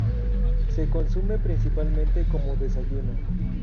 Se consume principalmente como desayuno.